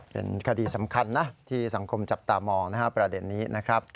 เป็นคดีสำคัญนะที่สังคมจับตามองนะครับประเด็นนี้นะครับ